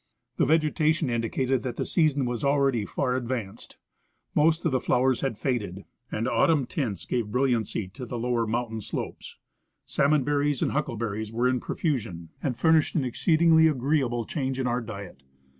The vegetation in dicated that the season was already far advanced. Most of the flowers had faded, and autumn tints gave brilliancy to the 162 /. C. Russell—Expedition to Mount St. Ellas. lower mountain slopes ; salmon berries and huckleberries were in profusion, and furnished an exceedingly agreeable change in our diet.